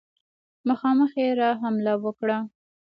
مخامخ یې را حمله وکړه.